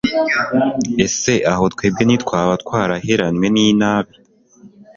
ese aho twebwe ntitwaba twaraheranywe n'inabi